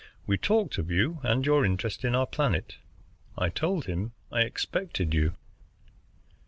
We talked of you and your interest in our planet. I told him I expected you."